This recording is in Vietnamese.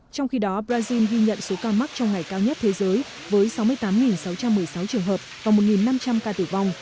trong khi đó brazil ghi nhận số ca mắc trong ngày cao nhất thế giới với sáu mươi tám sáu trăm một mươi sáu trường hợp và một năm trăm linh ca tử vong